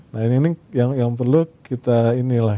nah ini yang perlu kita ini lah